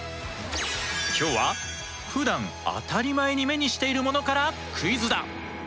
今日はふだん当たり前に目にしているものからクイズだ。